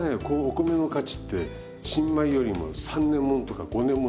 お米の価値って新米よりも３年ものとか５年もの。へ。